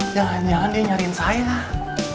jangan jangan dia nyariin saya lah